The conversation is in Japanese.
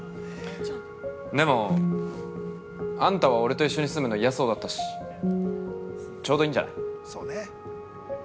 でも、あんたは俺と一緒に住むの嫌そうだったしちょうどいいんじゃない？